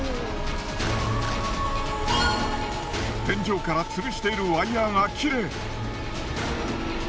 天井から吊るしているワイヤーが切れ。